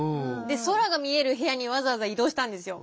で空が見える部屋にわざわざ移動したんですよ。